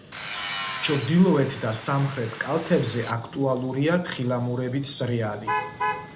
ჩრდილოეთ და სამხრეთ კალთებზე აქტუალურია თხილამურებით სრიალი.